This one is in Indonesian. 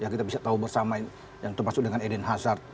kita bisa tahu bersama yang termasuk dengan eden hazard